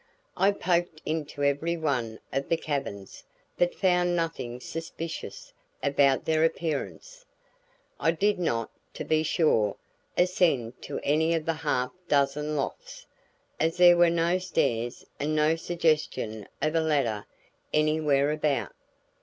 I poked into every one of the cabins, but found nothing suspicious about their appearance. I did not, to be sure, ascend to any of the half dozen lofts, as there were no stairs and no suggestion of a ladder anywhere about.